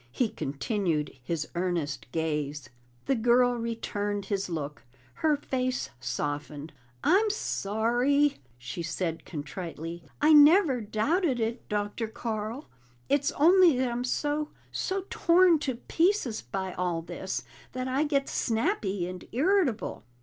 He continued his earnest gaze. The girl returned his look; her face softened. "I'm sorry," she said contritely. "I never doubted it, Dr. Carl it's only that I'm so so torn to pieces by all this that I get snappy and irritable."